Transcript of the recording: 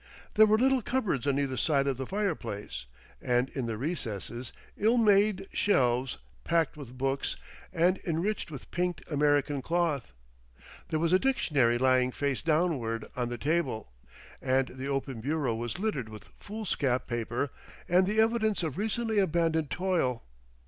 There were little cupboards on either side of the fireplace, and in the recesses, ill made shelves packed with books, and enriched with pinked American cloth. There was a dictionary lying face downward on the table, and the open bureau was littered with foolscap paper and the evidences of recently abandoned toil.